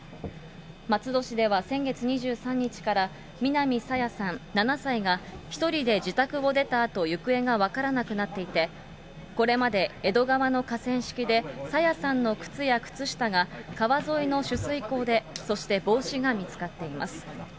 松戸市では先月２３日から南朝芽さん７歳が、１人で自宅を出たあと、行方が分からなくなっていて、これまで江戸川の河川敷で、朝芽さんの靴や靴下が川沿いの取水口で、そして帽子が見つかっています。